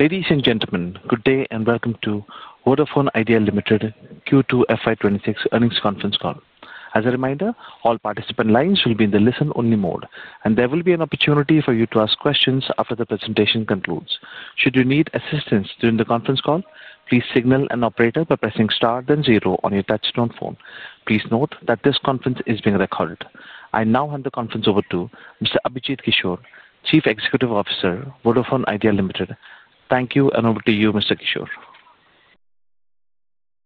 Ladies and gentlemen, good day and welcome to Vodafone Idea Limited Q2 FY 2026 Earnings Conference Call. As a reminder, all participant lines will be in the listen-only mode, and there will be an opportunity for you to ask questions after the presentation concludes. Should you need assistance during the conference call, please signal an operator by pressing star then zero on your touchstone phone. Please note that this conference is being recorded. I now hand the conference over to Mr. Abhijit Kishore, Chief Executive Officer, Vodafone Idea Limited. Thank you, and over to you, Mr. Kishore.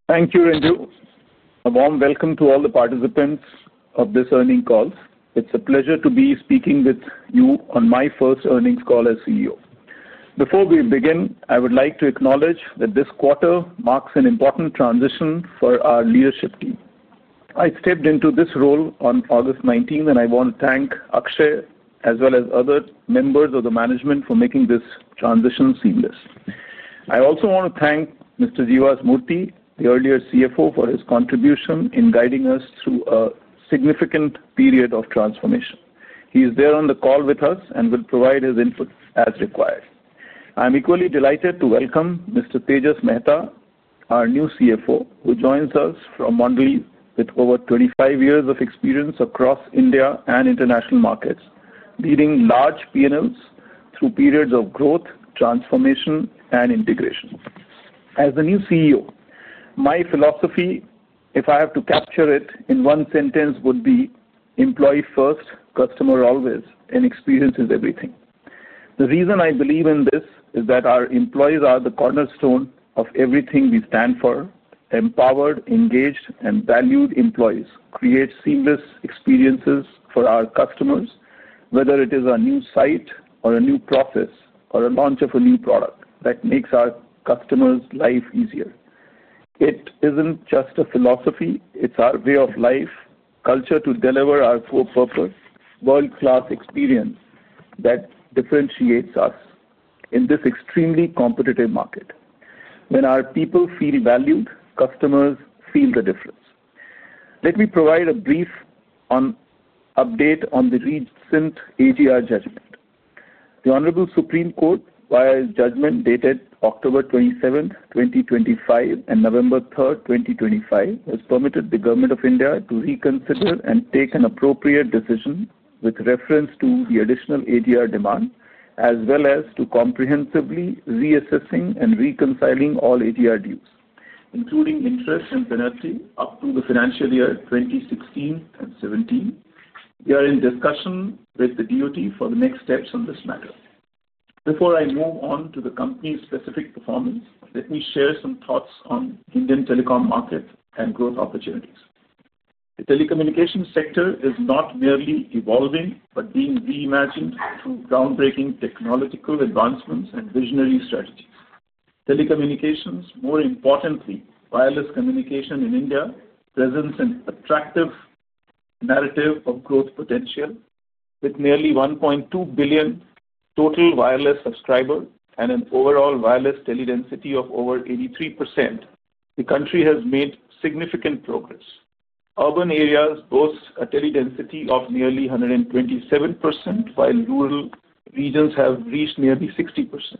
Thank you, Renju. A warm welcome to all the participants of this earnings call. It's a pleasure to be speaking with you on my first earnings call as CEO. Before we begin, I would like to acknowledge that this quarter marks an important transition for our leadership team. I stepped into this role on August 19, and I want to thank Akshaya, as well as other members of the management, for making this transition seamless. I also want to thank Mr. G.V.A.S. Murthy, the earlier CFO, for his contribution in guiding us through a significant period of transformation. He is there on the call with us and will provide his input as required. I'm equally delighted to welcome Mr. Tejas Mehta, our new CFO, who joins us from Mondelēz with over 25 years of experience across India and international markets, leading large P&Ls through periods of growth, transformation, and integration. As the new CEO, my philosophy, if I have to capture it in one sentence, would be: "Employee first, customer always, and experience is everything." The reason I believe in this is that our employees are the cornerstone of everything we stand for: empowered, engaged, and valued employees create seamless experiences for our customers, whether it is a new site or a new process or a launch of a new product that makes our customers' life easier. It is not just a philosophy, it is our way of life, culture to deliver our core purpose, world-class experience that differentiates us in this extremely competitive market. When our people feel valued, customers feel the difference. Let me provide a brief update on the recent AGR judgment. The Honorable Supreme Court via a judgment dated October 27th, 2025, and November 3rd, 2025, has permitted the Government of India to reconsider and take an appropriate decision with reference to the additional AGR demand, as well as to comprehensively reassessing and reconciling all AGR dues, including interest and penalty up to the financial year 2016 and 2017. We are in discussion with the DoT for the next steps on this matter. Before I move on to the company's specific performance, let me share some thoughts on the Indian telecom market and growth opportunities. The telecommunications sector is not merely evolving, but being reimagined through groundbreaking technological advancements and visionary strategies. Telecommunications, more importantly, wireless communication in India presents an attractive narrative of growth potential. With nearly 1.2 billion total wireless subscribers and an overall wireless teledensity of over 83%, the country has made significant progress. Urban areas boast a teledensity of nearly 127%, while rural regions have reached nearly 60%.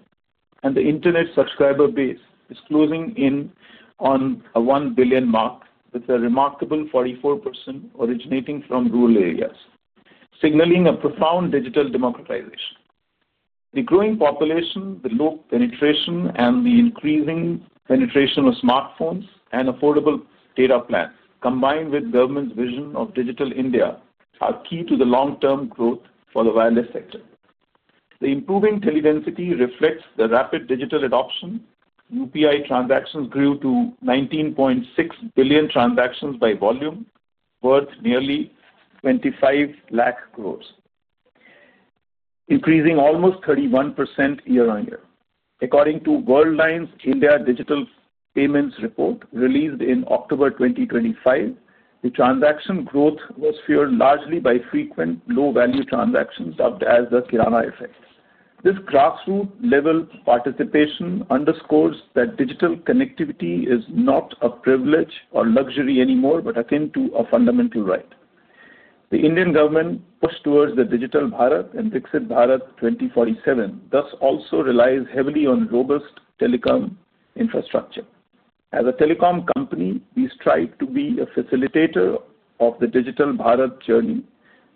The internet subscriber base is closing in on a 1 billion mark, with a remarkable 44% originating from rural areas, signaling a profound digital democratization. The growing population, the low penetration, and the increasing penetration of smartphones and affordable data plans, combined with the government's vision of digital India, are key to the long-term growth for the wireless sector. The improving teledensity reflects the rapid digital adoption. UPI transactions grew to 19.6 billion transactions by volume, worth nearly 25 lakh crore, increasing almost 31% year-on-year. According to Worldline's India Digital Payments Report released in October 2025, the transaction growth was fueled largely by frequent low-value transactions dubbed as the Kirana effect. This grassroots-level participation underscores that digital connectivity is not a privilege or luxury anymore, but akin to a fundamental right. The Indian government pushed towards the Digital Bharat and Vikshit Bharat 2047, thus also relies heavily on robust telecom infrastructure. As a telecom company, we strive to be a facilitator of the Digital Bharat journey,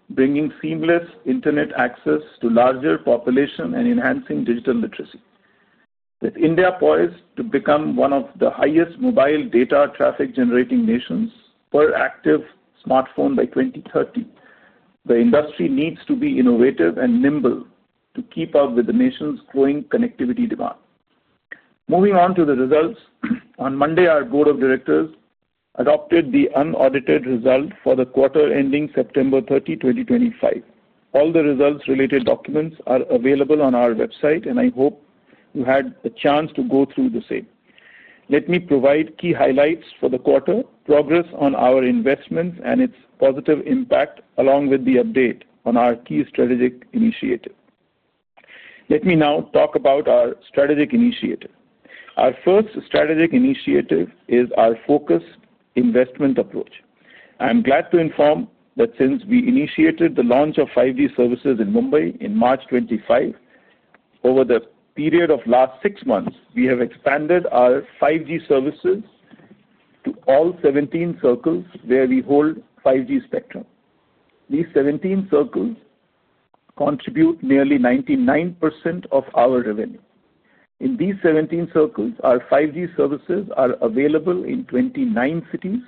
bringing seamless internet access to a larger population and enhancing digital literacy. With India poised to become one of the highest mobile data traffic-generating nations per active smartphone by 2030, the industry needs to be innovative and nimble to keep up with the nation's growing connectivity demand. Moving on to the results, on Monday, our Board of Directors adopted the unaudited result for the quarter ending September 30, 2025. All the results-related documents are available on our website, and I hope you had a chance to go through the same. Let me provide key highlights for the quarter, progress on our investments, and its positive impact, along with the update on our key strategic initiative. Let me now talk about our strategic initiative. Our first strategic initiative is our focused investment approach. I'm glad to inform that since we initiated the launch of 5G services in Mumbai in March 2025, over the period of the last six months, we have expanded our 5G services to all 17 circles where we hold 5G spectrum. These 17 circles contribute nearly 99% of our revenue. In these 17 circles, our 5G services are available in 29 cities,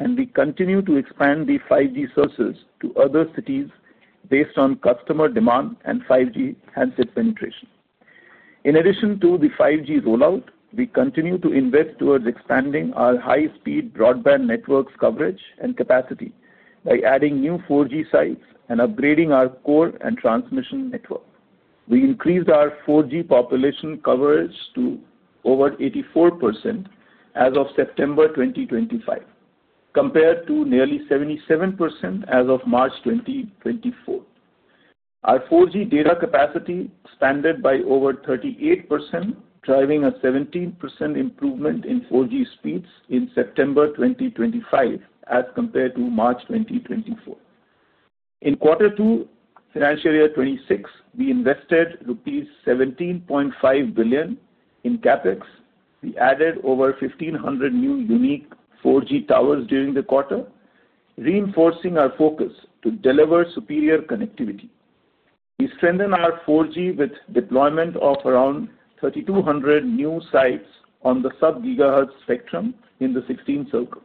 and we continue to expand the 5G services to other cities based on customer demand and 5G handset penetration. In addition to the 5G rollout, we continue to invest towards expanding our high-speed broadband network's coverage and capacity by adding new 4G sites and upgrading our core and transmission network. We increased our 4G population coverage to over 84% as of September 2025, compared to nearly 77% as of March 2024. Our 4G data capacity expanded by over 38%, driving a 17% improvement in 4G speeds in September 2025 as compared to March 2024. In Q2, financial year 2026, we invested rupees 17.5 billion in CAPEX. We added over 1,500 new unique 4G towers during the quarter, reinforcing our focus to deliver superior connectivity. We strengthened our 4G with the deployment of around 3,200 new sites on the sub-GHz spectrum in the 16 circles.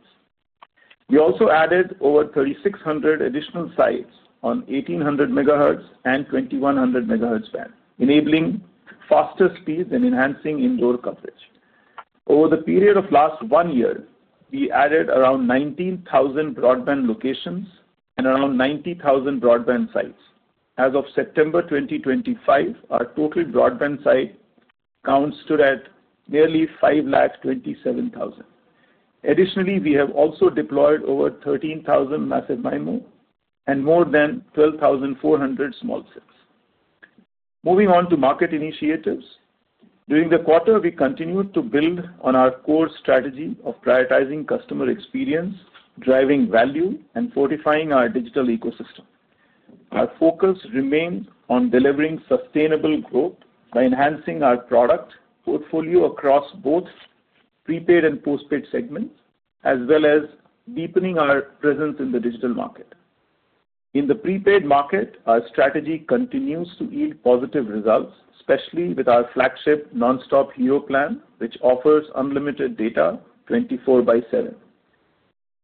We also added over 3,600 additional sites on 1,800 MHz and 2,100 MHz band, enabling faster speeds and enhancing indoor coverage. Over the period of the last one year, we added around 19,000 broadband locations and around 90,000 broadband sites. As of September 2025, our total broadband site count stood at nearly 527,000. Additionally, we have also deployed over 13,000 Massive MIMO and more than 12,400 small cells. Moving on to market initiatives, during the quarter, we continued to build on our core strategy of prioritizing customer experience, driving value, and fortifying our digital ecosystem. Our focus remained on delivering sustainable growth by enhancing our product portfolio across both prepaid and postpaid segments, as well as deepening our presence in the digital market. In the prepaid market, our strategy continues to yield positive results, especially with our flagship NonStop Hero Plan, which offers unlimited data 24x7.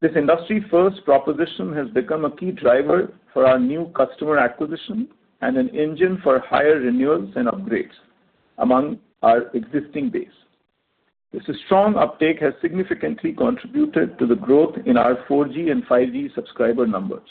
This industry-first proposition has become a key driver for our new customer acquisition and an engine for higher renewals and upgrades among our existing base. This strong uptake has significantly contributed to the growth in our 4G and 5G subscriber numbers.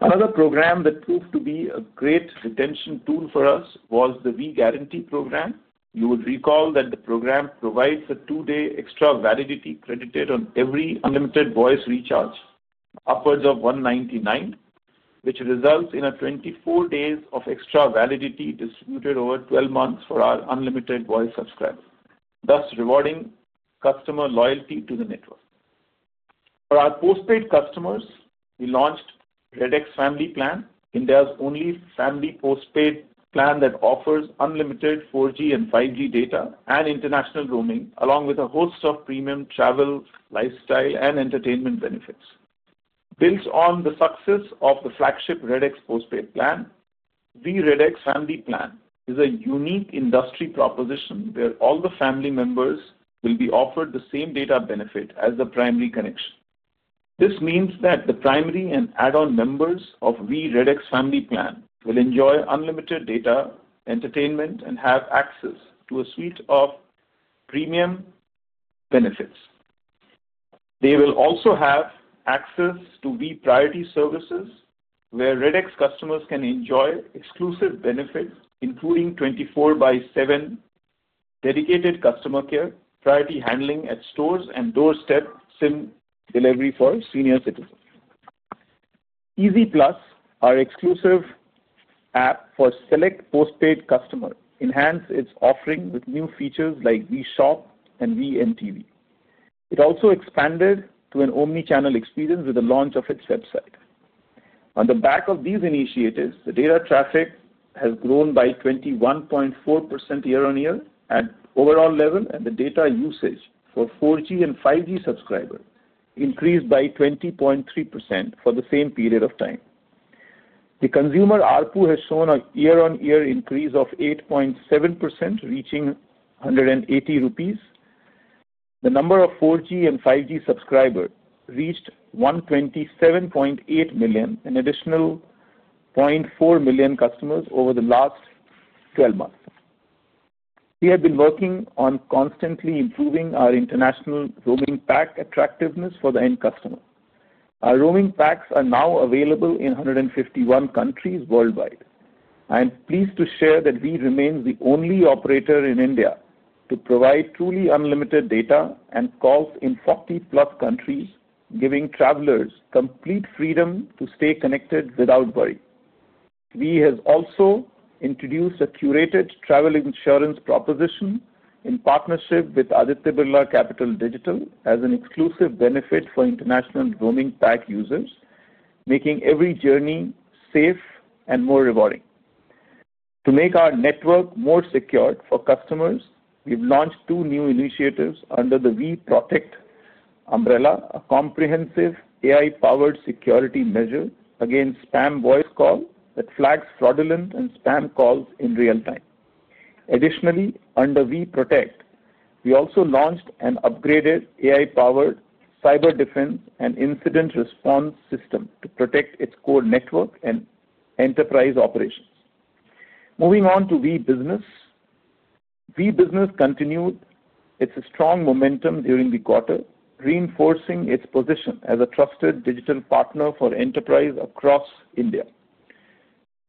Another program that proved to be a great retention tool for us was the Vi Guarantee Program. You would recall that the program provides a two-day extra validity credited on every unlimited voice recharge upwards of 199, which results in 24 days of extra validity distributed over 12 months for our unlimited voice subscribers, thus rewarding customer loyalty to the network. For our postpaid customers, we launched REDX Family Plan, India's only family postpaid plan that offers unlimited 4G and 5G data and international roaming, along with a host of premium travel, lifestyle, and entertainment benefits. Built on the success of the flagship REDX postpaid plan, Vi REDX Family Plan is a unique industry proposition where all the family members will be offered the same data benefit as the primary connection. This means that the primary and add-on members of Vi REDX Family Plan will enjoy unlimited data, entertainment, and have access to a suite of premium benefits. They will also have access to Vi Priority Services, where REDX customers can enjoy exclusive benefits, including 24x7 dedicated customer care, priority handling at stores, and doorstep SIM delivery for senior citizens. Easy+, our exclusive app for select postpaid customers, enhanced its offering with new features like Vi Shop and ViMTV. It also expanded to an omnichannel experience with the launch of its website. On the back of these initiatives, the data traffic has grown by 21.4% year-on-year at overall level, and the data usage for 4G and 5G subscribers increased by 20.3% for the same period of time. The consumer output has shown a year-on-year increase of 8.7%, reaching 180 rupees. The number of 4G and 5G subscribers reached 127.8 million and an additional 0.4 million customers over the last 12 months. We have been working on constantly improving our international roaming pack attractiveness for the end customer. Our roaming packs are now available in 151 countries worldwide. I am pleased to share that we remain the only operator in India to provide truly unlimited data and calls in 40+ countries, giving travelers complete freedom to stay connected without worry. We have also introduced a curated travel insurance proposition in partnership with Aditya Birla Capital Digital as an exclusive benefit for international roaming pack users, making every journey safe and more rewarding. To make our network more secure for customers, we've launched two new initiatives under the Vi Protect umbrella: a comprehensive AI-powered security measure against spam voice calls that flags fraudulent and spam calls in real time. Additionally, under Vi Protect, we also launched an upgraded AI-powered cyber defense and incident response system to protect its core network and enterprise operations. Moving on to Vi Business, Vi Business continued its strong momentum during the quarter, reinforcing its position as a trusted digital partner for enterprise across India.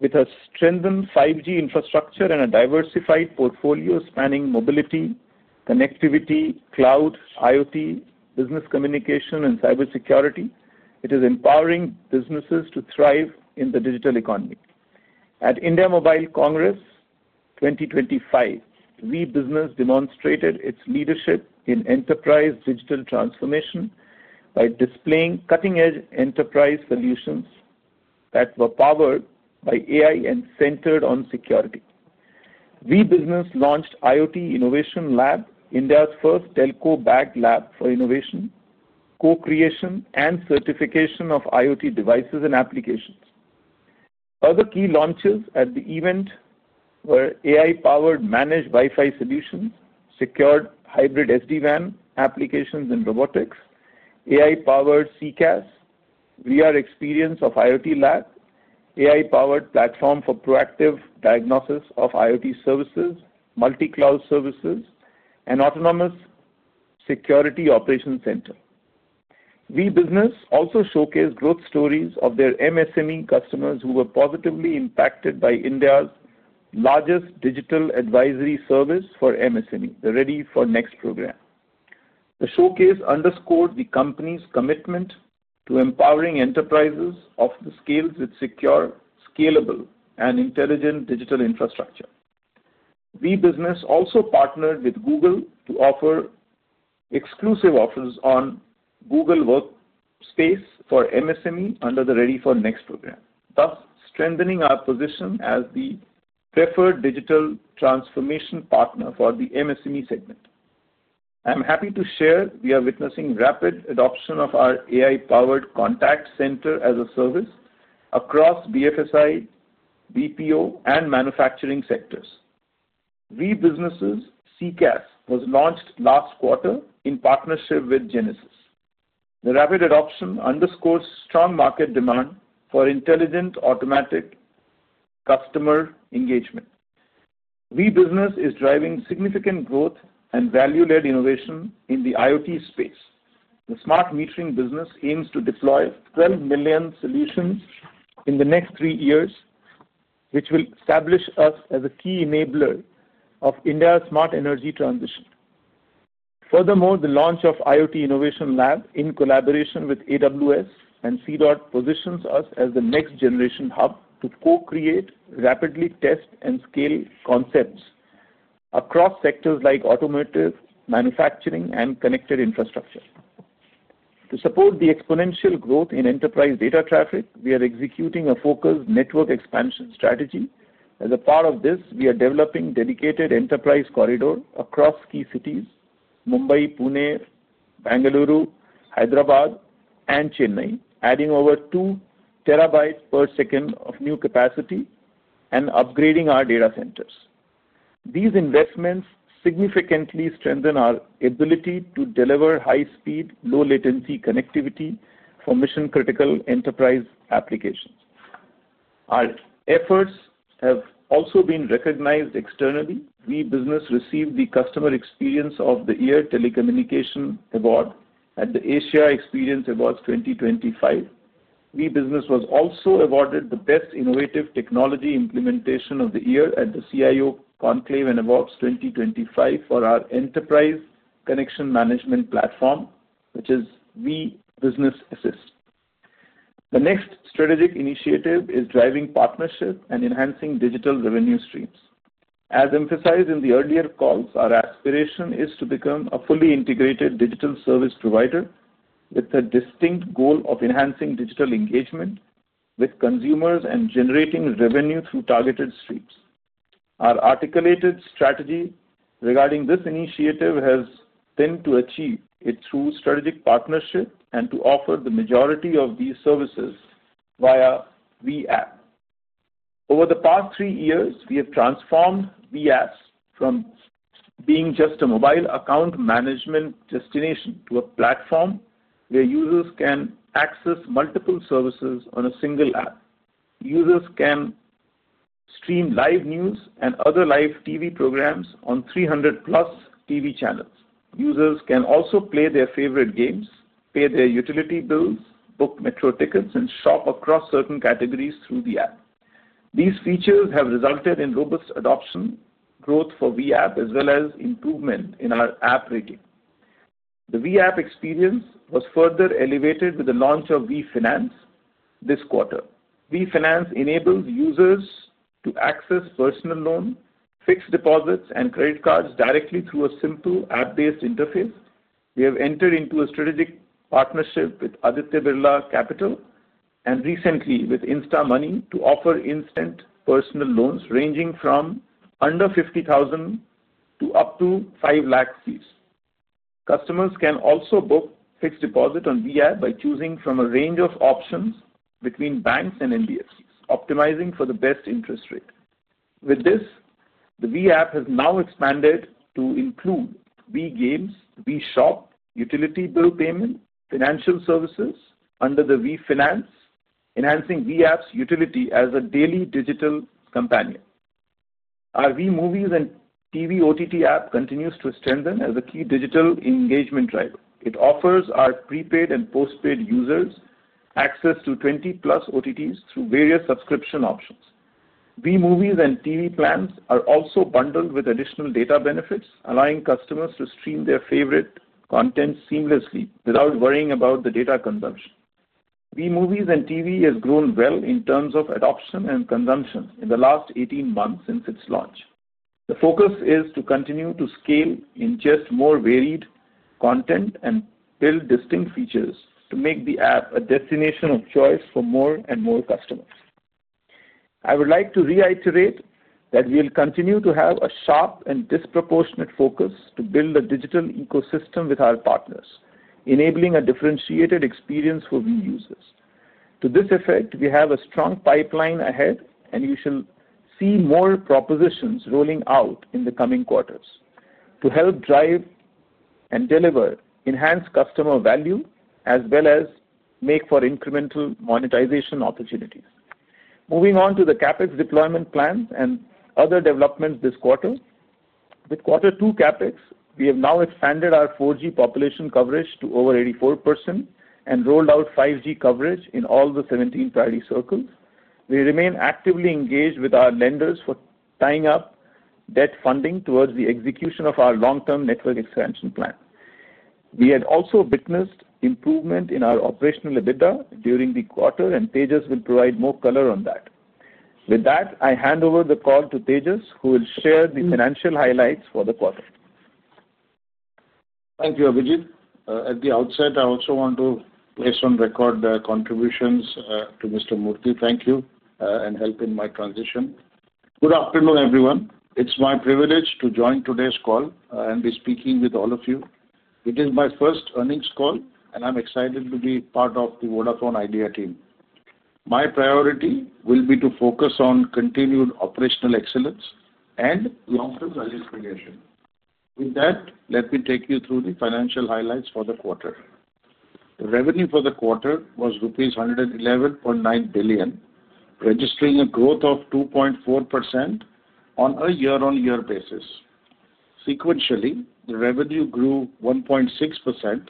With a strengthened 5G infrastructure and a diversified portfolio spanning mobility, connectivity, cloud, IoT, business communication, and cybersecurity, it is empowering businesses to thrive in the digital economy. At India Mobile Congress 2025, Vi Business demonstrated its leadership in enterprise digital transformation by displaying cutting-edge enterprise solutions that were powered by AI and centered on security. Vi Business launched IoT Innovation Lab, India's first telco-backed lab for innovation, co-creation, and certification of IoT devices and applications. Other key launches at the event were AI-powered managed Wi-Fi solutions, secured hybrid SD-WAN applications and robotics, AI-powered CCaaS, VR experience of IoT lab, AI-powered platform for proactive diagnosis of IoT services, multi-cloud services, and autonomous security operations center. Vi Business also showcased growth stories of their MSME customers who were positively impacted by India's largest digital advisory service for MSME, the Ready for Next program. The showcase underscored the company's commitment to empowering enterprises of all scales with secure, scalable, and intelligent digital infrastructure. Vi Business also partnered with Google to offer exclusive offers on Google Workspace for MSME under the Ready for Next program, thus strengthening our position as the preferred digital transformation partner for the MSME segment. I'm happy to share we are witnessing rapid adoption of our AI-powered contact center as a service across BFSI, BPO, and manufacturing sectors. Vi Business's CCaaS was launched last quarter in partnership with Genesys. The rapid adoption underscores strong market demand for intelligent automatic customer engagement. Vi Business is driving significant growth and value-led innovation in the IoT space. The smart metering business aims to deploy 12 million solutions in the next three years, which will establish us as a key enabler of India's smart energy transition. Furthermore, the launch of IoT Innovation Lab in collaboration with AWS and C-DoT positions us as the next-generation hub to co-create, rapidly test, and scale concepts across sectors like automotive, manufacturing, and connected infrastructure. To support the exponential growth in enterprise data traffic, we are executing a focused network expansion strategy. As a part of this, we are developing a dedicated enterprise corridor across key cities: Mumbai, Pune, Bengaluru, Hyderabad, and Chennai, adding over 2 TB per second of new capacity and upgrading our data centers. These investments significantly strengthen our ability to deliver high-speed, low-latency connectivity for mission-critical enterprise applications. Our efforts have also been recognized externally. Vi Business received the Customer Experience of the Year Telecommunication Award at the Asia Experience Awards 2025. Vi Business was also awarded the Best Innovative Technology Implementation of the Year at the CIO Conclave & Awards 2025 for our enterprise connection management platform, which is Vi Business Assist. The next strategic initiative is driving partnership and enhancing digital revenue streams. As emphasized in the earlier calls, our aspiration is to become a fully integrated digital service provider with a distinct goal of enhancing digital engagement with consumers and generating revenue through targeted streams. Our articulated strategy regarding this initiative has been to achieve it through strategic partnership and to offer the majority of these services via Vi app. Over the past three years, we have transformed Vi app from being just a mobile account management destination to a platform where users can access multiple services on a single app. Users can stream live news and other live TV programs on 300+ TV channels. Users can also play their favorite games, pay their utility bills, book metro tickets, and shop across certain categories through the app. These features have resulted in robust adoption, growth for Vi app, as well as improvement in our app rating. The Vi app experience was further elevated with the launch of Vi Finance this quarter. Vi Finance enables users to access personal loan, fixed deposits, and credit cards directly through a simple app-based interface. We have entered into a strategic partnership with Aditya Birla Capital and recently with InstaMoney to offer instant personal loans ranging from under 50,000 to up to 500,000 rupees. Customers can also book fixed deposit on Vi app by choosing from a range of options between banks and NBFCs, optimizing for the best interest rate. With this, the Vi app has now expanded to include Vi Games, Vi Shop, utility bill payment, financial services under the Vi Finance, enhancing Vi app's utility as a daily digital companion. Our Vi Movies and TV OTT app continues to strengthen as a key digital engagement driver. It offers our prepaid and postpaid users access to 20-plus OTTs through various subscription options. Vi Movies and TV plans are also bundled with additional data benefits, allowing customers to stream their favorite content seamlessly without worrying about the data consumption. Vi Movies and TV has grown well in terms of adoption and consumption in the last 18 months since its launch. The focus is to continue to scale in just more varied content and build distinct features to make the app a destination of choice for more and more customers. I would like to reiterate that we will continue to have a sharp and disproportionate focus to build a digital ecosystem with our partners, enabling a differentiated experience for Vi users. To this effect, we have a strong pipeline ahead, and you shall see more propositions rolling out in the coming quarters to help drive and deliver, enhance customer value, as well as make for incremental monetization opportunities. Moving on to the CAPEX deployment plans and other developments this quarter. With quarter two CAPEX, we have now expanded our 4G population coverage to over 84% and rolled out 5G coverage in all the 17 priority circles. We remain actively engaged with our lenders for tying up debt funding towards the execution of our long-term network expansion plan. We had also witnessed improvement in our operational EBITDA during the quarter, and Tejas will provide more color on that. With that, I hand over the call to Tejas, who will share the financial highlights for the quarter. Thank you, Abhijit. At the outset, I also want to place on record the contributions of Mr. Murthy. Thank you and help in my transition. Good afternoon, everyone. It's my privilege to join today's call and be speaking with all of you. It is my first earnings call, and I'm excited to be part of the Vodafone Idea team. My priority will be to focus on continued operational excellence and long-term value creation. With that, let me take you through the financial highlights for the quarter. The revenue for the quarter was rupees 111.9 billion, registering a growth of 2.4% on a year-on-year basis. Sequentially, the revenue grew 1.6%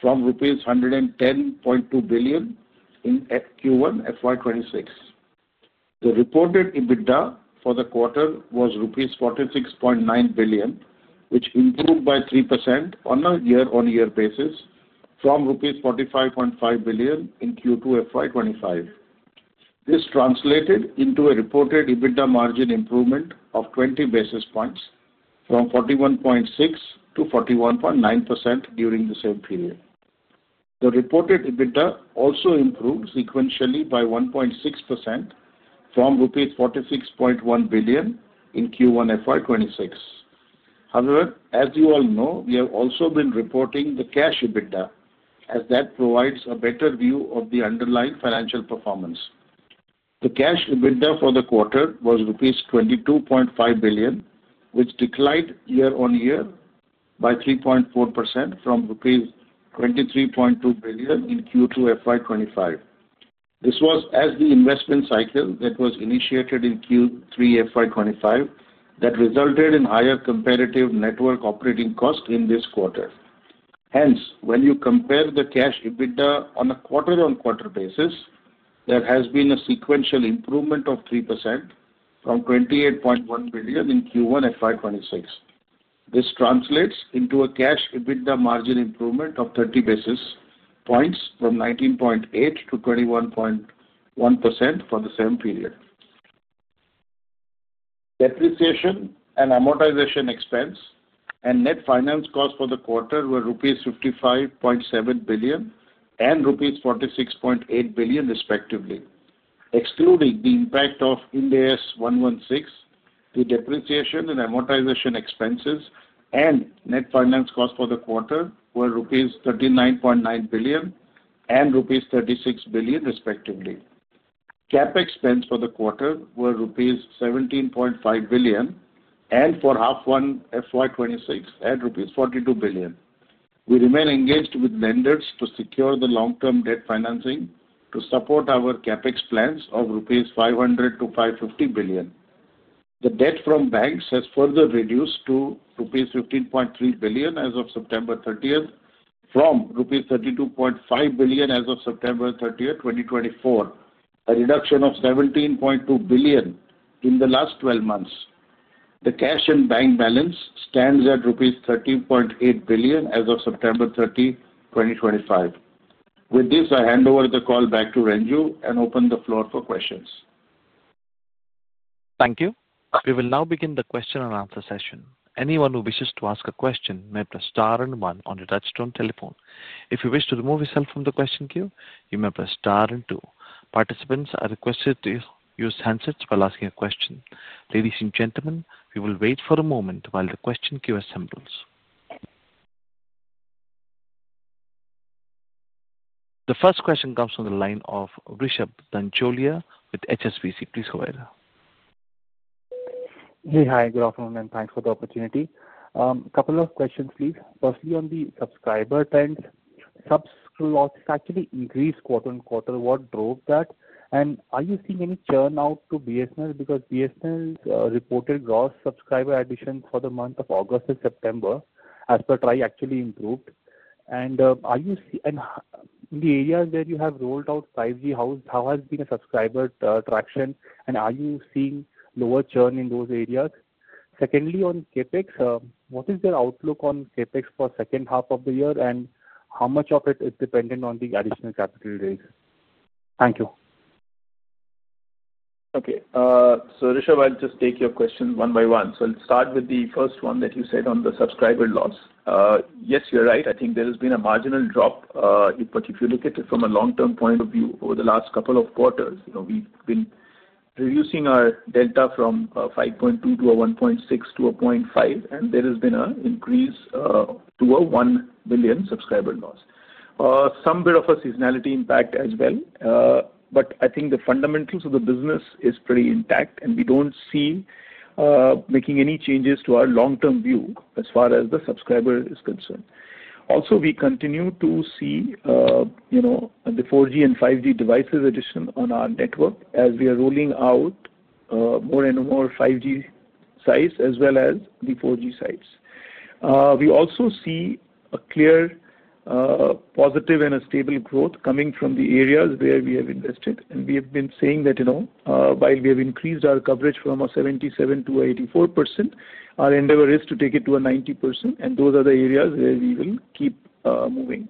from rupees 110.2 billion in Q1 FY 2026. The reported EBITDA for the quarter was rupees 46.9 billion, which improved by 3% on a year-on-year basis from rupees 45.5 billion in Q2 FY 2025. This translated into a reported EBITDA margin improvement of 20 basis points from 41.6%-41.9% during the same period. The reported EBITDA also improved sequentially by 1.6% from INR 46.1 billion in Q1 FY 2026. However, as you all know, we have also been reporting the cash EBITDA, as that provides a better view of the underlying financial performance. The cash EBITDA for the quarter was rupees 22.5 billion, which declined year-on-year by 3.4% from rupees 23.2 billion in Q2 FY 2025. This was as the investment cycle that was initiated in Q3 FY 2025 that resulted in higher comparative network operating cost in this quarter. Hence, when you compare the cash EBITDA on a quarter-on-quarter basis, there has been a sequential improvement of 3% from 28.1 billion in Q1 FY 2026. This translates into a cash EBITDA margin improvement of 30 basis points from 19.8%-21.1% for the same period. Depreciation and amortization expense and net finance cost for the quarter were rupees 55.7 billion and rupees 46.8 billion, respectively. Excluding the impact of Ind AS 116, the depreciation and amortization expenses and net finance cost for the quarter were rupees 39.9 billion and rupees 36 billion, respectively. CAPEX spends for the quarter were rupees 17.5 billion and for half one FY 2026 at rupees 42 billion. We remain engaged with lenders to secure the long-term debt financing to support our CAPEX plans of 500-550 billion rupees. The debt from banks has further reduced to rupees 15.3 billion as of September 30th, from rupees 32.5 billion as of September 30th, 2024, a reduction of 17.2 billion in the last 12 months. The cash and bank balance stands at rupees 30.8 billion as of September 30, 2025. With this, I hand over the call back to Renju and open the floor for questions. Thank you. We will now begin the question-and-answer session. Anyone who wishes to ask a question may press star and one on the touchstone telephone. If you wish to remove yourself from the question queue, you may press star and two. Participants are requested to use handsets while asking a question. Ladies and gentlemen, we will wait for a moment while the question queue assembles. The first question comes from the line of Rishabh Dhancholia with HSBC. Please go ahead. Hey, hi. Good afternoon, and thanks for the opportunity. A couple of questions, please. Firstly, on the subscriber trends, subs actually increased quarter-on-quarter. What drove that? Are you seeing any churn out to BSNL? Because BSNL reported gross subscriber additions for the month of August and September, as per TRAI, actually improved. And are you seeing in the areas where you have rolled out 5G, how has been the subscriber traction? And are you seeing lower churn in those areas? Secondly, on CAPEX, what is your outlook on CAPEX for the second half of the year, and how much of it is dependent on the additional capital raise? Thank you. Okay. Rishabh, I'll just take your questions one by one. Let's start with the first one that you said on the subscriber loss. Yes, you're right. I think there has been a marginal drop, but if you look at it from a long-term point of view, over the last couple of quarters, we've been reducing our delta from 5.2 to 1.6 to 1.5, and there has been an increase to 1 million subscriber loss. Some bit of a seasonality impact as well, but I think the fundamentals of the business are pretty intact, and we do not see making any changes to our long-term view as far as the subscriber is concerned. Also, we continue to see the 4G and 5G devices addition on our network as we are rolling out more and more 5G sites as well as the 4G sites. We also see a clear positive and a stable growth coming from the areas where we have invested, and we have been saying that while we have increased our coverage from 77%-84%, our endeavor is to take it to 90%, and those are the areas where we will keep moving.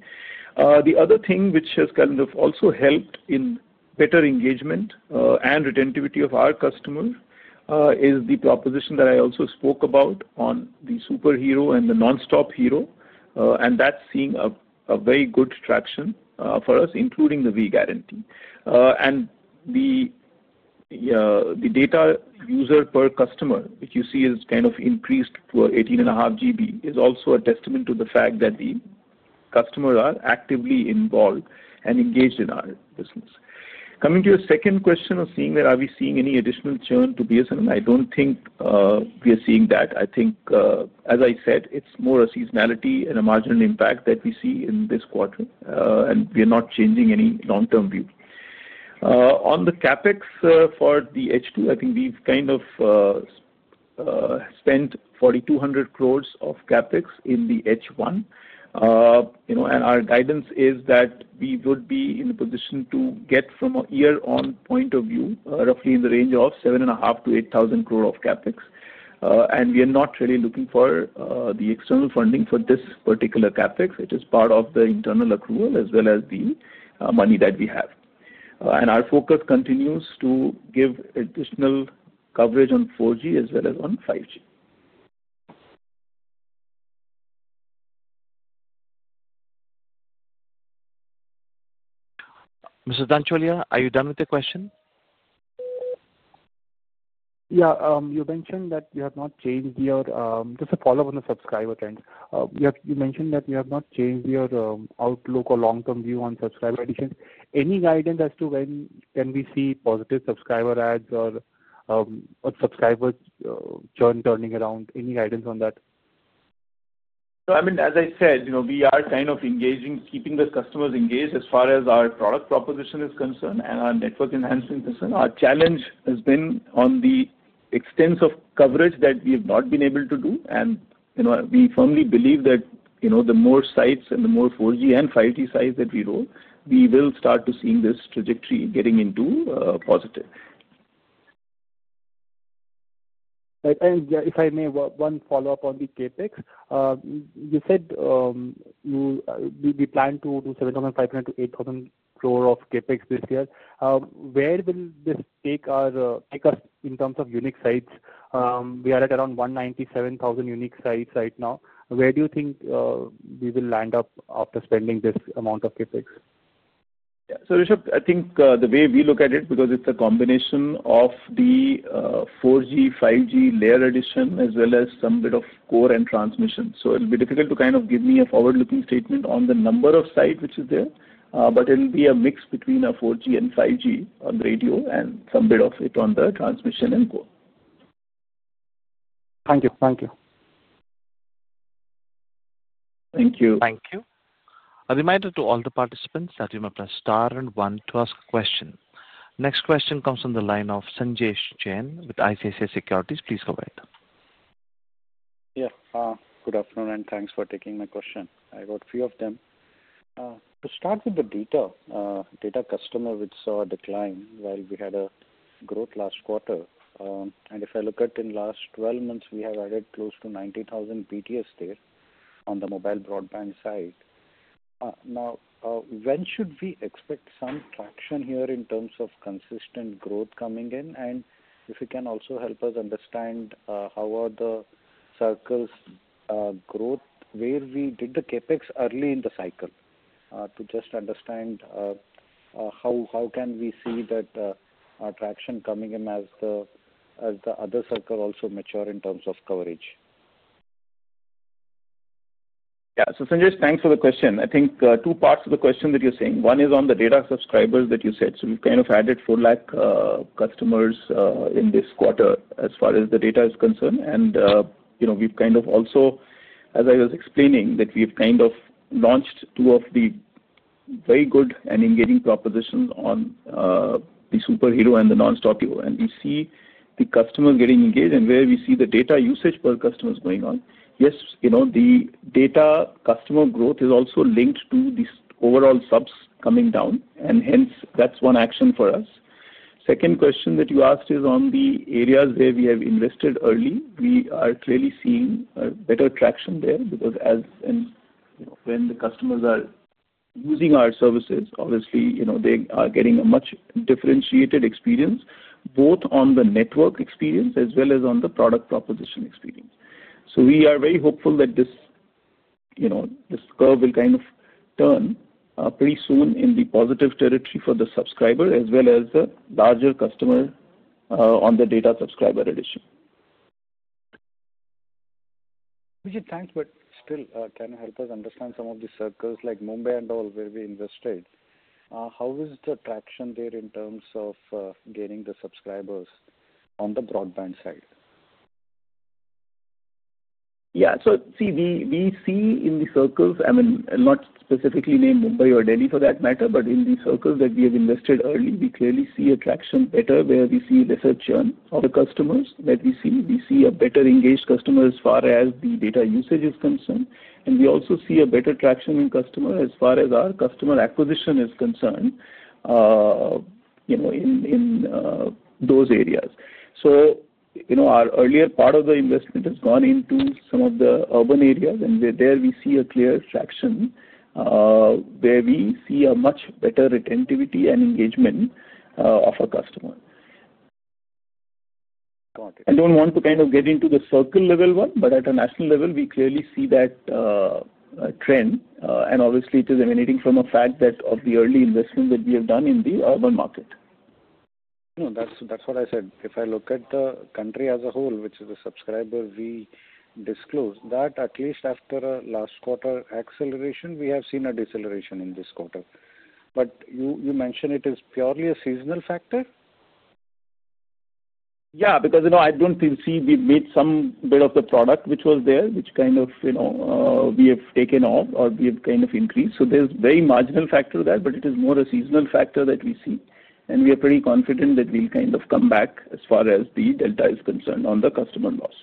The other thing which has kind of also helped in better engagement and retentivity of our customers is the proposition that I also spoke about on the Super Hero and the NonStop Hero, and that is seeing a very good traction for us, including the Vi Guarantee Program. And the data user per customer, which you see has kind of increased to 18.5 GB, is also a testament to the fact that the customers are actively involved and engaged in our business. Coming to your second question of seeing whether are we seeing any additional churn to BSNL, I don't think we are seeing that. I think, as I said, it's more a seasonality and a marginal impact that we see in this quarter, and we are not changing any long-term view. On the CAPEX for the H2, I think we've kind of spent 4,200 crore of CAPEX in the H1, and our guidance is that we would be in a position to get from a year-on point of view roughly in the range of 7,500-8,000 crore of CAPEX, and we are not really looking for the external funding for this particular CAPEX. It is part of the internal accrual as well as the money that we have. Our focus continues to give additional coverage on 4G as well as on 5G. Mr. Dancholia, are you done with the question? Yeah. You mentioned that you have not changed your, just a follow-up on the subscriber trend. You mentioned that you have not changed your outlook or long-term view on subscriber additions. Any guidance as to when can we see positive subscriber ads or subscriber churn turning around? Any guidance on that? I mean, as I said, we are kind of engaging, keeping the customers engaged as far as our product proposition is concerned, and our network enhancement concerned. Our challenge has been on the extents of coverage that we have not been able to do, and we firmly believe that the more sites and the more 4G and 5G sites that we roll, we will start to see this trajectory getting into positive. If I may, one follow-up on the CAPEX. You said we plan to do 7,500-8,000 crore of CAPEX this year. Where will this take us in terms of unique sites? We are at around 197,000 unique sites right now. Where do you think we will land up after spending this amount of CAPEX? Yeah. So, Rishabh, I think the way we look at it, because it is a combination of the 4G, 5G layer addition as well as some bit of core and transmission. So, It will be difficult to give a forward-looking statement on the number of sites which is there, but it will be a mix between 4G and 5G on the radio and some bit of it on the transmission and core. Thank you. Thank you. Thank you. Thank you. A reminder to all the participants that you may press star and one to ask a question. Next question comes from the line of Sanjesh Jain with ICICI Securities. Please go ahead. Yes. Good afternoon, and thanks for taking my question. I got a few of them. To start with, the data customer, we saw a decline while we had a growth last quarter. If I look at in the last 12 months, we have added close to 90,000 BTS there on the mobile broadband side. Now, when should we expect some traction here in terms of consistent growth coming in? If you can also help us understand how are the circles' growth where we did the CAPEX early in the cycle, to just understand how can we see that traction coming in as the other circles also mature in terms of coverage? Yeah. So, Sanjesh, thanks for the question. I think two parts of the question that you're saying. One is on the data subscribers that you said. We have kind of added 400,000 customers in this quarter as far as the data is concerned. We have kind of also, as I was explaining, launched two of the very good and engaging propositions on the Super Hero and the NonStop Hero. We see the customers getting engaged and where we see the data usage per customer going on. Yes, the data customer growth is also linked to the overall subs coming down, and hence that is one action for us. The second question that you asked is on the areas where we have invested early. We are clearly seeing better traction there because when the customers are using our services, obviously, they are getting a much differentiated experience both on the network experience as well as on the product proposition experience. So we are very hopeful that this curve will kind of turn pretty soon in the positive territory for the subscriber as well as the larger customer on the data subscriber addition. Thanks, but still, can you help us understand some of the circles like Mumbai and all where we invested? How is the traction there in terms of getting the subscribers on the broadband side? Yeah. So we see in the circles, I mean, not specifically named Mumbai or Delhi for that matter, but in the circles that we have invested early, we clearly see a traction better where we see lesser churn for the customers that we see. We see a better engaged customer as far as the data usage is concerned, and we also see a better traction in customer as far as our customer acquisition is concerned in those areas. So in our earlier part of the investment has gone into some of the urban areas, and there we see a clear traction where we see a much better retentivity and engagement of our customer. I do not want to kind of get into the circle level one, but at a national level, we clearly see that trend, and obviously, it is emanating from a fact that of the early investment that we have done in the urban market. That is what I said. If I look at the country as a whole, which is the subscriber we disclosed, that at least after last quarter acceleration, we have seen a deceleration in this quarter. You mentioned it is purely a seasonal factor? Yeah, because I do not see we have made some bit of the product which was there, which kind of we have taken off or we have kind of increased. There's very marginal factor there, but it is more a seasonal factor that we see, and we are pretty confident that we'll kind of come back as far as the delta is concerned on the customer loss.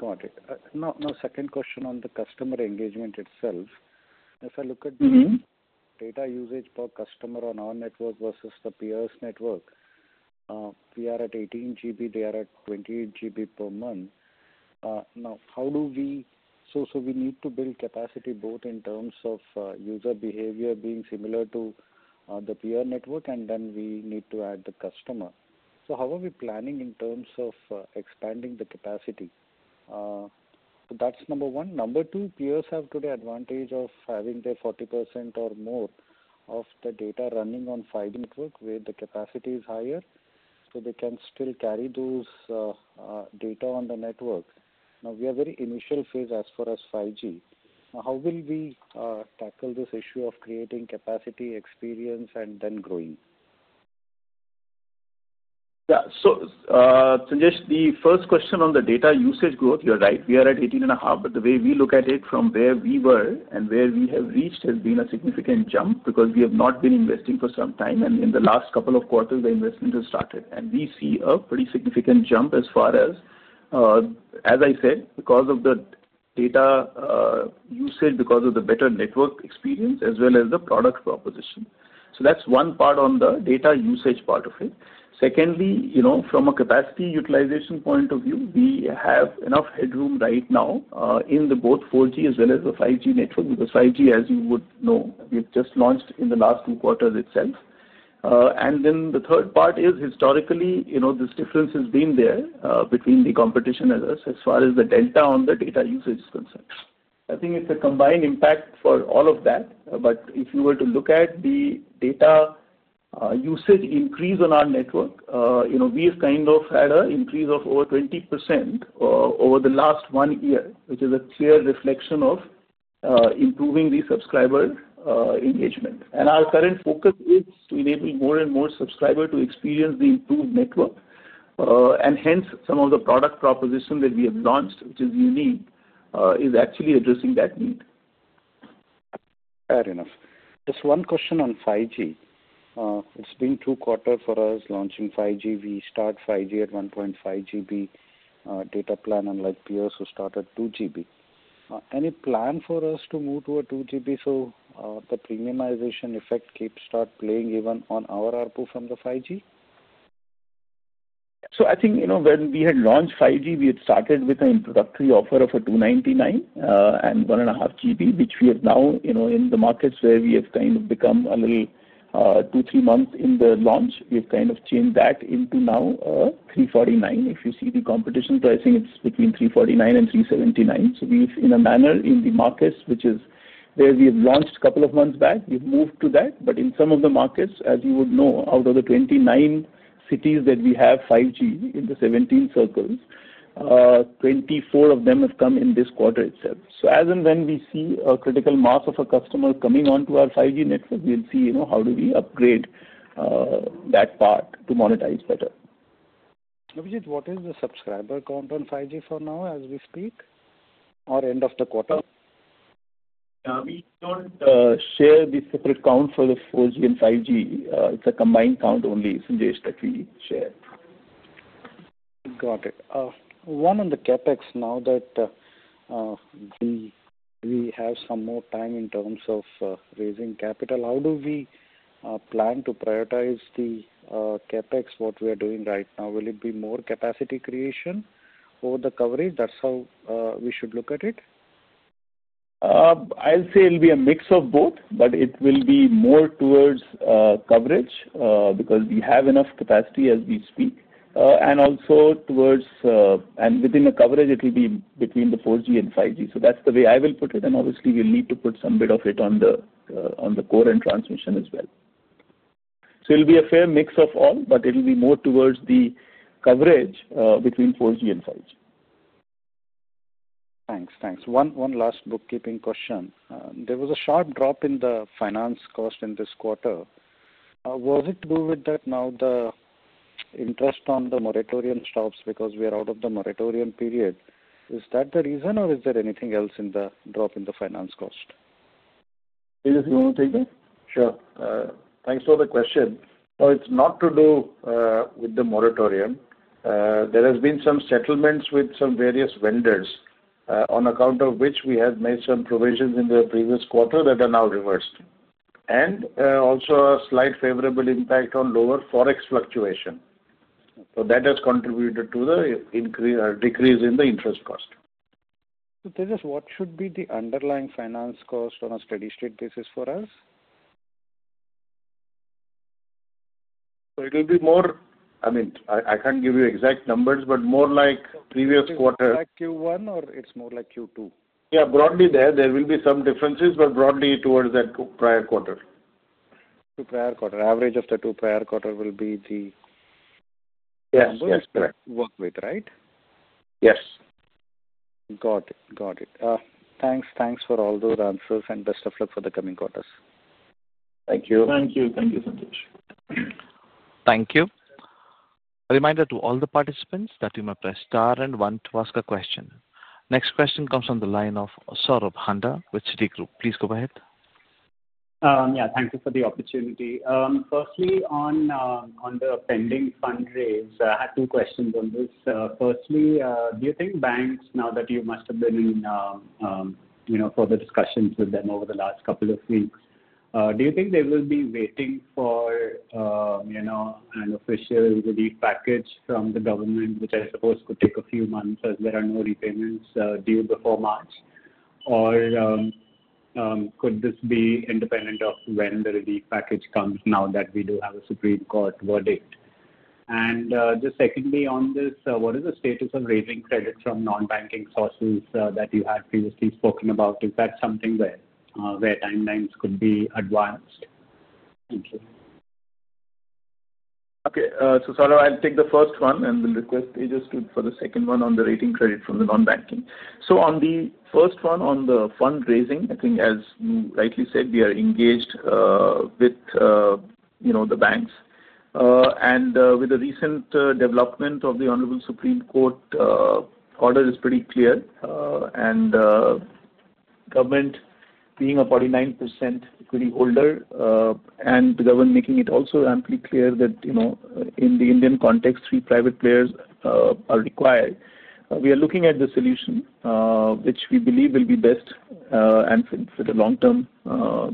Got it. Now, second question on the customer engagement itself. If I look at the data usage per customer on our network versus the peers' network, we are at 18 GB, they are at 28 GB per month. Now, how do we, so we need to build capacity both in terms of user behavior being similar to the peer network, and then we need to add the customer. How are we planning in terms of expanding the capacity? That's number one. Number two, peers have today advantage of having their 40% or more of the data running on 5G network where the capacity is higher, so they can still carry that data on the network. Now, we are very initial phase as far as 5G. Now, how will we tackle this issue of creating capacity experience and then growing? Yeah. So Sanjesh, the first question on the data usage growth, you're right. We are at 18.5, but the way we look at it from where we were and where we have reached has been a significant jump because we have not been investing for some time, and in the last couple of quarters, the investment has started, and we see a pretty significant jump as far as, as I said, because of the data usage, because of the better network experience as well as the product proposition. That's one part on the data usage part of it. Secondly, from a capacity utilization point of view, we have enough headroom right now in both 4G as well as the 5G network because 5G, as you would know, we've just launched in the last two quarters itself. The third part is historically, this difference has been there between the competition as far as the delta on the data usage is concerned. I think it's a combined impact for all of that, but if you were to look at the data usage increase on our network, we have kind of had an increase of over 20% over the last one year, which is a clear reflection of improving the subscriber engagement. Our current focus is to enable more and more subscribers to experience the improved network, and hence some of the product proposition that we have launched, which is unique, is actually addressing that need. Fair enough. Just one question on 5G. It's been two quarters for us launching 5G. We start 5G at 1.5 GB data plan unlike peers who start at 2 GB. Any plan for us to move to a 2 GB so the premiumization effect keeps start playing even on our output from the 5G? I think when we had launched 5G, we had started with an introductory offer of 299 and 1.5 GB, which we have now in the markets where we have kind of become a little two, three months in the launch. We have kind of changed that into now 349. If you see the competition pricing, it's between 349 and 379. In a manner, in the markets which is where we have launched a couple of months back, we've moved to that. In some of the markets, as you would know, out of the 29 cities that we have 5G in the 17 circles, 24 of them have come in this quarter itself. As and when we see a critical mass of a customer coming onto our 5G network, we'll see how do we upgrade that part to monetize better. Abhijit, what is the subscriber count on 5G for now as we speak or end of the quarter? Yeah. We don't share the separate count for the 4G and 5G. It's a combined count only, Sanjesh, that we share. Got it. One on the CAPEX, now that we have some more time in terms of raising capital, how do we plan to prioritize the CAPEX, what we are doing right now? Will it be more capacity creation or the coverage? That's how we should look at it? I'll say it'll be a mix of both, but it will be more towards coverage because we have enough capacity as we speak and also towards and within the coverage, it will be between the 4G and 5G. That's the way I will put it, and obviously, we'll need to put some bit of it on the core and transmission as well. It'll be a fair mix of all, but it'll be more towards the coverage between 4G and 5G. Thanks. Thanks. One last bookkeeping question. There was a sharp drop in the finance cost in this quarter. Was it to do with that now the interest on the moratorium stops because we are out of the moratorium period? Is that the reason, or is there anything else in the drop in the finance cost? Tejas, you want to take it? Sure. Thanks for the question. So it's not to do with the moratorium. There has been some settlements with some various vendors on account of which we have made some provisions in the previous quarter that are now reversed. Also, a slight favorable impact on lower forex fluctuation. That has contributed to the decrease in the interest cost. Tejas, what should be the underlying finance cost on a steady-state basis for us? It'll be more, I mean, I can't give you exact numbers, but more like previous quarter. Is it more like Q1, or it's more like Q2? Yeah. Broadly, there will be some differences, but broadly towards that prior quarter. Two prior quarter. Average of the two prior quarter will be the numbers that you work with, right? Yes. Got it. Got it. Thanks. Thanks for all those answers and best of luck for the coming quarters. Thank you. Thank you. Thank you, Sanjesh. Thank you. A reminder to all the participants that you may press star and one to ask a question. Next question comes from the line of Saurabh Handa, with Citigroup. Please go ahead. Yeah. Thank you for the opportunity. Firstly, on the pending fundraise, I had two questions on this. Firstly, do you think banks, now that you must have been in further discussions with them over the last couple of weeks, do you think they will be waiting for an official relief package from the government, which I suppose could take a few months as there are no repayments due before March? Or could this be independent of when the relief package comes now that we do have a Supreme Court verdict? Just secondly on this, what is the status of raising credit from non-banking sources that you had previously spoken about? Is that something where timelines could be advanced? Thank you. Okay. Saurabh, I'll take the first one and will request Tejas for the second one on the raising credit from the non-banking. On the first one on the fundraising, I think as you rightly said, we are engaged with the banks. With the recent development of the Honorable Supreme Court order, it's pretty clear. The government being a 49% equity holder and the government making it also amply clear that in the Indian context, three private players are required, we are looking at the solution, which we believe will be best and fit for the long-term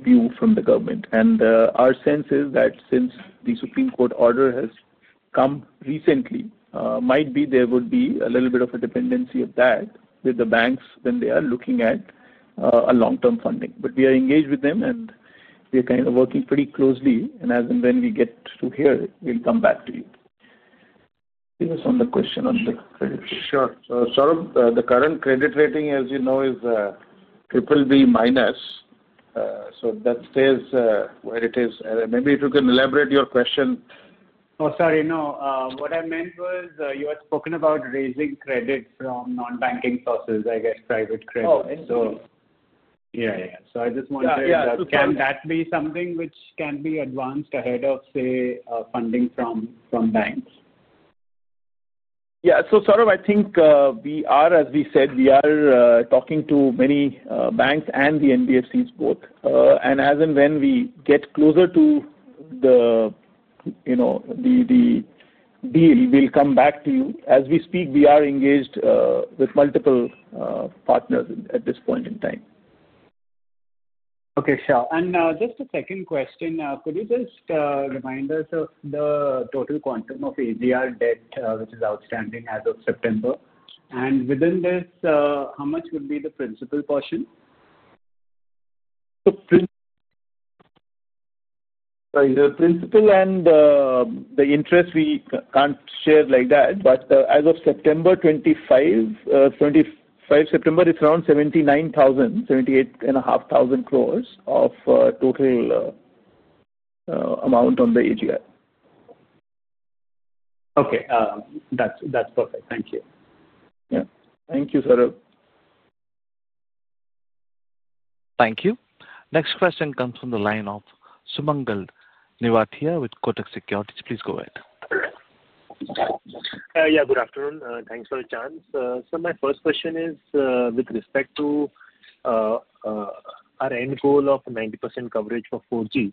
view from the government. Our sense is that since the Supreme Court order has come recently, there might be a little bit of a dependency of that with the banks when they are looking at long-term funding. We are engaged with them, and we are kind of working pretty closely. As and when we get to hear, we'll come back to you. Give us one more question on the credit rating. Sure. Saurabh, the current credit rating, as you know, is BBB-. That stays where it is. Maybe if you can elaborate your question. Oh, sorry. No. What I meant was you had spoken about raising credit from non-banking sources, I guess, private credit. Oh, interesting. Yeah. Yeah. I just wanted to ask, can that be something which can be advanced ahead of, say, funding from banks? Yeah. Saurabh, I think we are, as we said, we are talking to many banks and the NBFCs both. As and when we get closer to the deal, we'll come back to you. As we speak, we are engaged with multiple partners at this point in time. Okay. Sure. Just a second question. Could you just remind us of the total quantum of AGR debt, which is outstanding as of September? Within this, how much would be the principal portion? The principal and the interest, we can't share like that, but as of September 25, 25 September, it's around 79,000-78,500 crore of total amount on the AGR. Okay. That's perfect. Thank you. Yeah. Thank you, Saurabh. Thank you. Next question comes from the line of Sumangal Nevatia with Kotak Securities. Please go ahead. Yeah. Good afternoon. Thanks for the chance. My first question is with respect to our end goal of 90% coverage for 4G,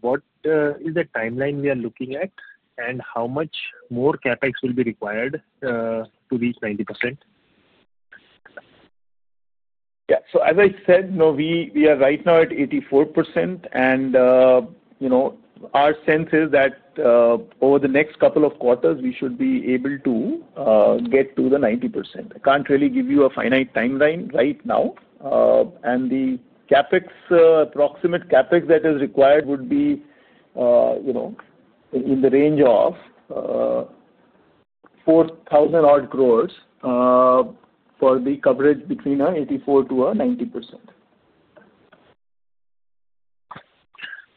what is the timeline we are looking at and how much more CAPEX will be required to reach 90%? Yeah. As I said, we are right now at 84%, and our sense is that over the next couple of quarters, we should be able to get to the 90%. I can't really give you a finite timeline right now. The approximate CAPEX that is required would be in the range of 4,000-odd crores for the coverage between 84%-90%.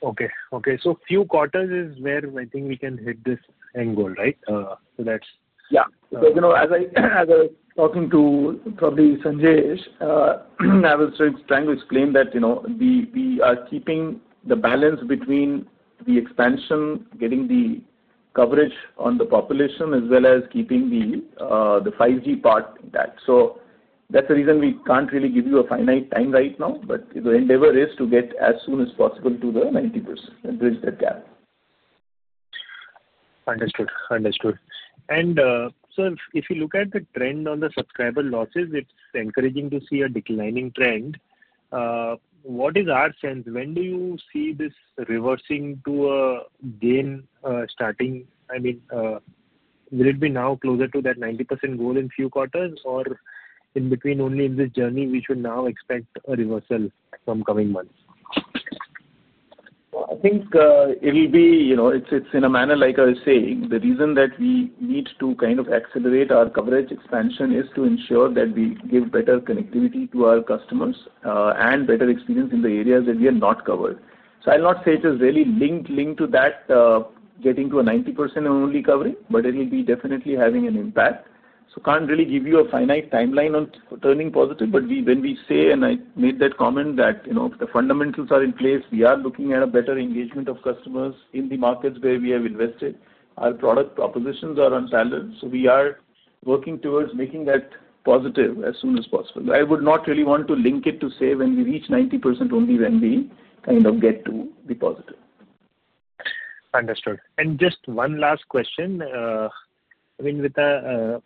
Okay. Okay. A few quarters is where I think we can hit this end goal, right? That's, yeah. As I was talking to probably Sanjesh, I was trying to explain that we are keeping the balance between the expansion, getting the coverage on the population, as well as keeping the 5G part intact. That's the reason we can't really give you a finite time right now, but the endeavor is to get as soon as possible to the 90% and bridge that gap. Understood. Understood. And if you look at the trend on the subscriber losses, it's encouraging to see a declining trend. What is our sense? When do you see this reversing to a gain starting? I mean, will it be now closer to that 90% goal in few quarters, or in between only in this journey, we should now expect a reversal from coming months? I think it'll be, it's in a manner like I was saying. The reason that we need to kind of accelerate our coverage expansion is to ensure that we give better connectivity to our customers and better experience in the areas that we are not covered. I'll not say it is really linked to that getting to a 90% and only covering, but it'll be definitely having an impact. I can't really give you a finite timeline on turning positive, but when we say, and I made that comment, that the fundamentals are in place, we are looking at a better engagement of customers in the markets where we have invested. Our product propositions are unpallid. We are working towards making that positive as soon as possible. I would not really want to link it to say when we reach 90% only when we kind of get to the positive. Understood. Just one last question. I mean, related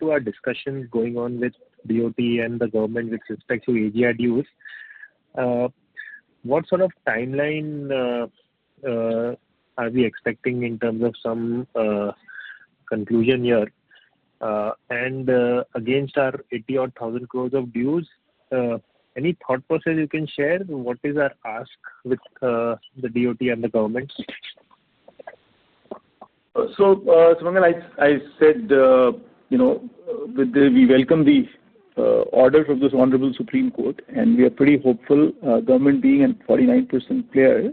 to our discussion going on with DoT and the government with respect to AGR dues, what sort of timeline are we expecting in terms of some conclusion here? And against our 80,000 crore of dues, any thought process you can share? What is our ask with the DoT and the government? So, Sumangal, I said we welcome the orders of this Honorable Supreme Court, and we are pretty hopeful, government being a 49% player,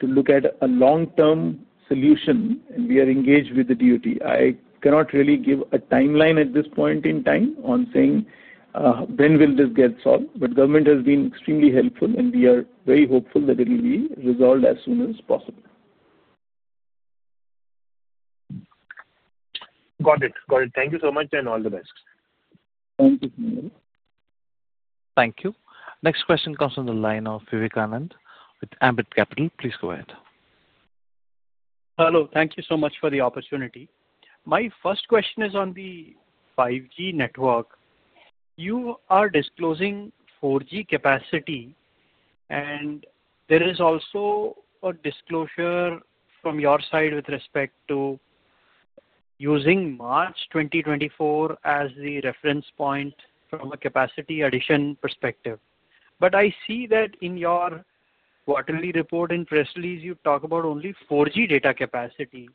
to look at a long-term solution, and we are engaged with the DoT. I cannot really give a timeline at this point in time on saying when will this get solved, but government has been extremely helpful, and we are very hopeful that it'll be resolved as soon as possible. Got it. Got it. Thank you so much and all the best. Thank you Sumangal. Thank you. Next question comes from the line of Vivekanand with Ambit Capital. Please go ahead. Hello. Thank you so much for the opportunity. My first question is on the 5G network. You are disclosing 4G capacity, and there is also a disclosure from your side with respect to using March 2024 as the reference point from a capacity addition perspective. But I see that in your quarterly report and press release, you talk about only 4G data capacity.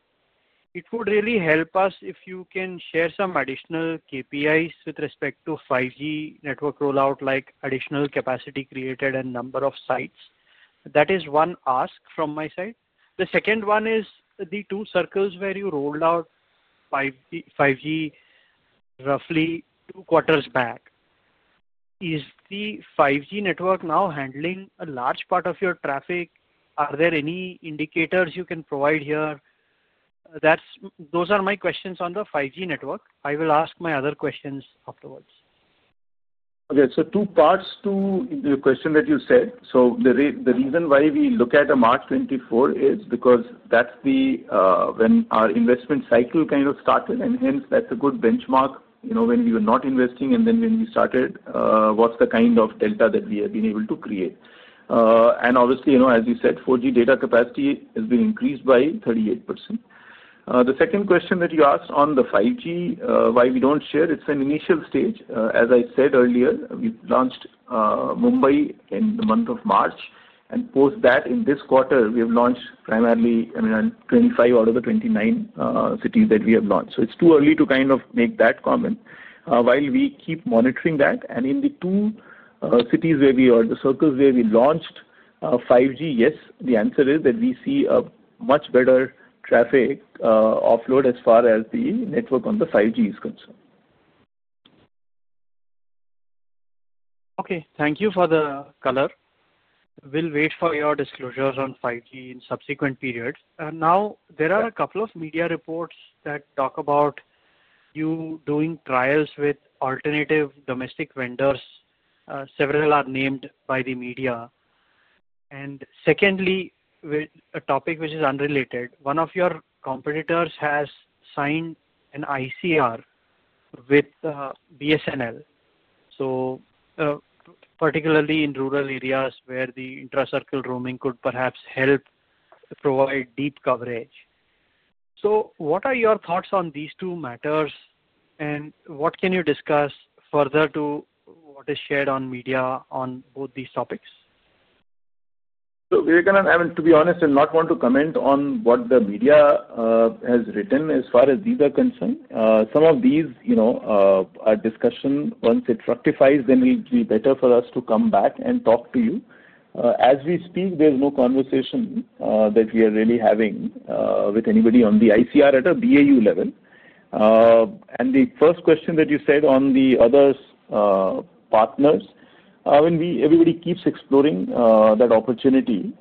It would really help us if you can share some additional KPIs with respect to 5G network rollout, like additional capacity created and number of sites. That is one ask from my side. The second one is the two circles where you rolled out 5G roughly two quarters back. Is the 5G network now handling a large part of your traffic? Are there any indicators you can provide here? Those are my questions on the 5G network. I will ask my other questions afterwards. Okay. Two parts to the question that you said. The reason why we look at March 2024 is because that is when our investment cycle kind of started, and hence that is a good benchmark when we were not investing and then when we started, what is the kind of delta that we have been able to create. And obviously, as you said, 4G data capacity has been increased by 38%. The second question that you asked on the 5G, why we do not share, it is an initial stage. As I said earlier, we have launched Mumbai in the month of March, and post that, in this quarter, we have launched primarily 25 out of the 29 cities that we have launched. It is too early to kind of make that comment. While we keep monitoring that, and in the two cities where we or the circles where we launched 5G, yes, the answer is that we see a much better traffic offload as far as the network on the 5G is concerned. Okay. Thank you for the color. We will wait for your disclosures on 5G in subsequent periods. Now, there are a couple of media reports that talk about you doing trials with alternative domestic vendors. Several are named by the media. Secondly, a topic which is unrelated. One of your competitors has signed an ICR with BSNL, so particularly in rural areas where the intracircle roaming could perhaps help provide deep coverage. So what are your thoughts on these two matters, and what can you discuss further to what is shared on media on both these topics? Vivekanand, I mean, to be honest, I do not want to comment on what the media has written as far as these are concerned. Some of these are discussion. Once it rectifies, then it'll be better for us to come back and talk to you. As we speak, there's no conversation that we are really having with anybody on the ICR at a BAU level. The first question that you said on the other partners, I mean, everybody keeps exploring that opportunity,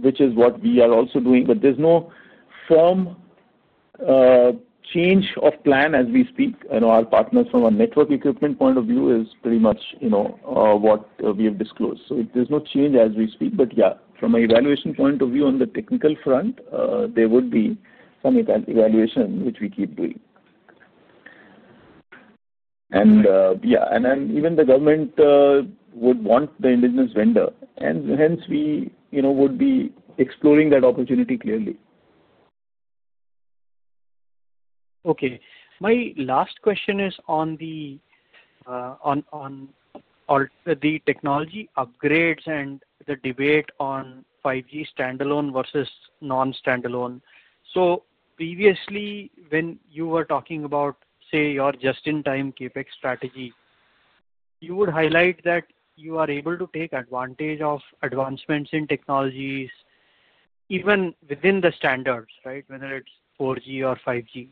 which is what we are also doing, but there's no firm change of plan as we speak. Our partners from a network equipment point of view is pretty much what we have disclosed. There's no change as we speak. From an evaluation point of view on the technical front, there would be some evaluation, which we keep doing. Even the government would want the indigenous vendor, and hence we would be exploring that opportunity clearly. Okay. My last question is on the technology upgrades and the debate on 5G standalone versus non-standalone. So previously, when you were talking about, say, your just-in-time CAPEX strategy, you would highlight that you are able to take advantage of advancements in technologies even within the standards, right, whether it is 4G or 5G.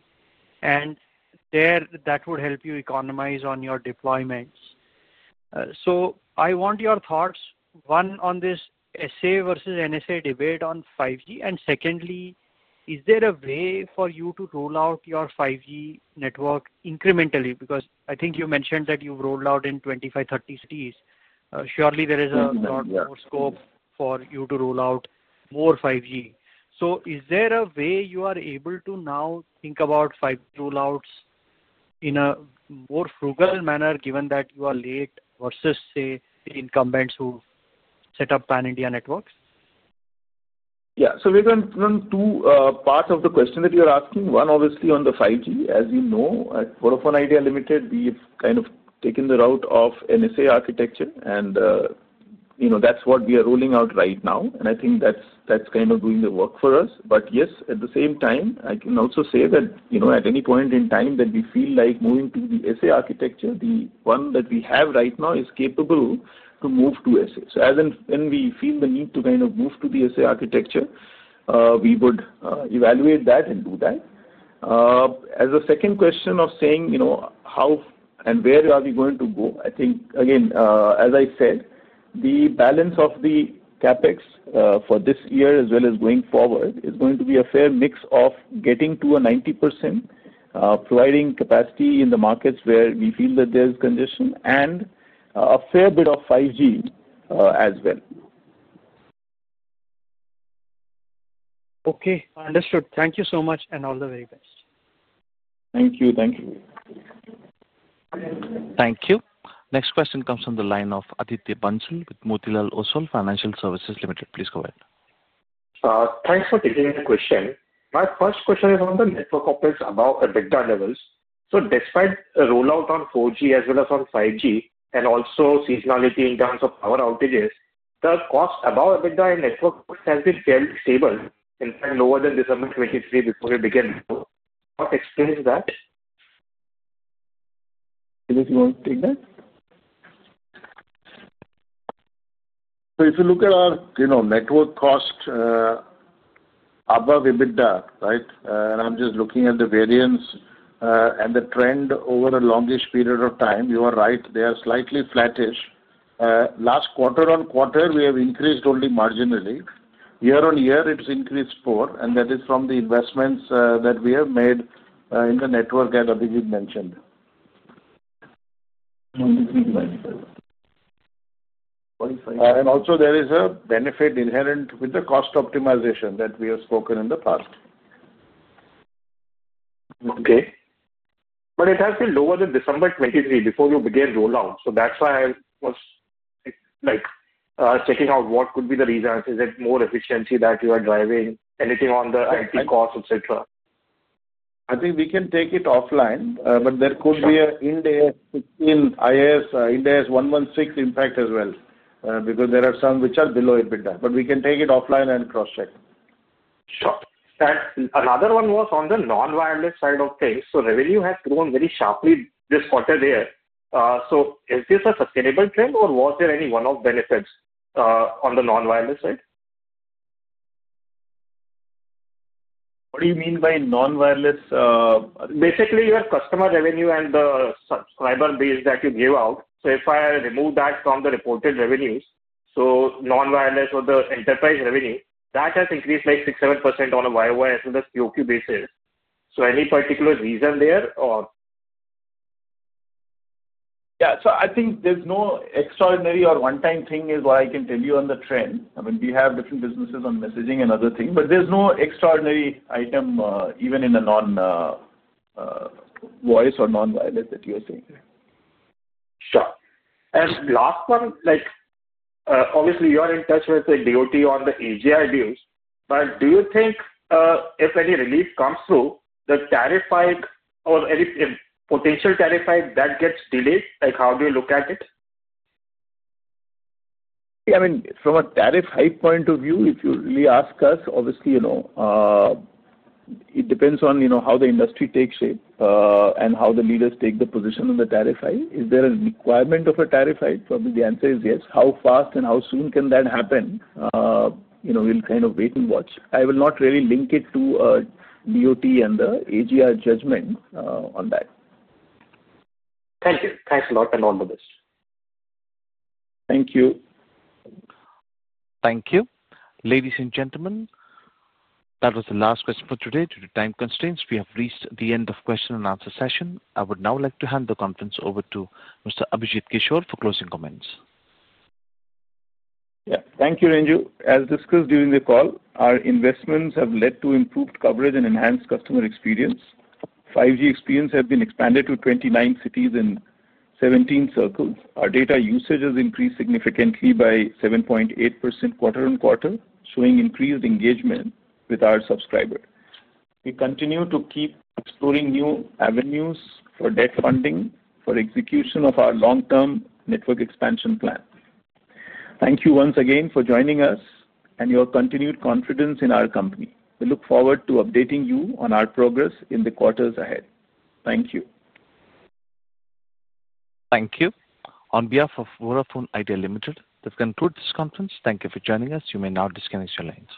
That would help you economize on your deployments. So I want your thoughts, one, on this SA versus NSA debate on 5G, and secondly, is there a way for you to roll out your 5G network incrementally? I think you mentioned that you have rolled out in 25-30 cities. Surely, there is a lot more scope for you to roll out more 5G. So is there a way you are able to now think about 5G rollouts in a more frugal manner, given that you are late versus, say, the incumbents who set up Pan India networks? Yeah. Vivekanand, two parts of the question that you are asking. One, obviously, on the 5G. As you know, at Vodafone Idea Limited, we have kind of taken the route of NSA architecture, and that's what we are rolling out right now. I think that's kind of doing the work for us. Yes, at the same time, I can also say that at any point in time that we feel like moving to the SA architecture, the one that we have right now is capable to move to SA. When we feel the need to kind of move to the SA architecture, we would evaluate that and do that. As a second question of saying how and where are we going to go, I think, again, as I said, the balance of the CAPEX for this year as well as going forward is going to be a fair mix of getting to a 90%, providing capacity in the markets where we feel that there's congestion, and a fair bit of 5G as well. Okay. Understood. Thank you so much and all the very best. Thank you. Thank you. Thank you. Next question comes from the line of Aditya Bansal with Motilal Oswal Financial Services Limited. Please go ahead. Thanks for taking the question. My first question is on the network opens above EBITDA levels. Despite a rollout on 4G as well as on 5G and also seasonality in terms of power outages, the cost above EBITDA and network has been fairly stable, in fact, lower than December 2023 before we began to go. What explains that? Tejas you want to take that. If you look at our network cost above EBITDA, right, and I'm just looking at the variance and the trend over a longish period of time, you are right. They are slightly flattish. Last quarter-on-quarter, we have increased only marginally. Year-on-year, it's increased poor, and that is from the investments that we have made in the network as Abhijit mentioned. Also, there is a benefit inherent with the cost optimization that we have spoken in the past. Okay. But it has been lower than December 2023 before we began rollout. That's why I was checking out what could be the reasons. Is it more efficiency that you are driving? Anything on the IT cost, etc.? I think we can take it offline, but there could be an Ind IAS 116 impact as well because there are some which are below EBITDA. We can take it offline and cross-check. Sure. Another one was on the non-wireless side of things. Revenue has grown very sharply this quarter there. So is this a sustainable trend, or was there any one-off benefits on the non-wireless side? What do you mean by non-wireless? Basically, your customer revenue and the subscriber base that you give out. If I remove that from the reported revenues, non-wireless or the enterprise revenue has increased by 6%-7% on a YoY and a QoQ basis. So any particular reason there or? Yeah. So, I think there's no extraordinary or one-time thing is what I can tell you on the trend. I mean, we have different businesses on messaging and other things, but there's no extraordinary item even in a non-wireless or non-wireless that you're seeing. Sure. Last one, obviously, you are in touch with the DoT on the AGR dues. But do you think if any relief comes through, the tariff hike or any potential tariff hike that gets delayed, how do you look at it? Yeah. I mean, from a tariff hike point of view, if you really ask us, obviously, it depends on how the industry takes shape and how the leaders take the position on the tariff hike. Is there a requirement of a tariff hike? Probably the answer is yes. How fast and how soon can that happen? We'll kind of wait and watch. I will not really link it to DoT and the AGR judgment on that. Thank you. Thanks a lot and all the best. Thank you. Thank you. Ladies and gentlemen, that was the last question for today. Due to time constraints, we have reached the end of the question and answer session. I would now like to hand the conference over to Mr. Abhijit Kishore for closing comments. Yeah. Thank you, Renju. As discussed during the call, our investments have led to improved coverage and enhanced customer experience. 5G experience has been expanded to 29 cities in 17 circles. Our data usage has increased significantly by 7.8% quarter-on-quarter, showing increased engagement with our subscriber. We continue to keep exploring new avenues for debt funding for execution of our long-term network expansion plan. Thank you once again for joining us and your continued confidence in our company. We look forward to updating you on our progress in the quarters ahead. Thank you. On behalf of Vodafone Idea Limited, this concludes this conference. Thank you for joining us. You may now disconnect your line.